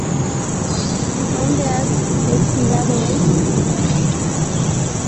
¿Dónde has espigado hoy?